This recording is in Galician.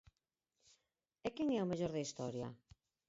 E quen é o mellor da historia?